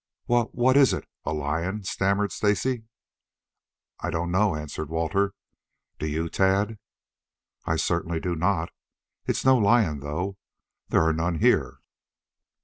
"Wha what is it? A lion?" stammered Stacy. "I I don't know," answered Walter. "Do you, Tad?" "I certainly do not. It's no lion, though. There are none here?"